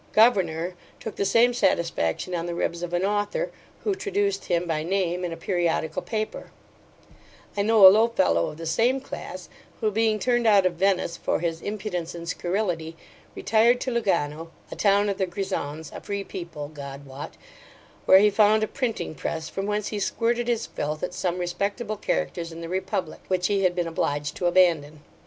Governor took the same satisfaction on the ribs of an author, who traduced him by name in a periodical paper I know a low fellow of the same class, who, being turned out of Venice for his impudence and scurrility, retired to Lugano, a town of the Grisons (a free people, God wot) where he found a printing press, from whence he squirted his filth at some respectable characters in the republic, which he had been obliged to abandon.